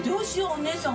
お姉さん。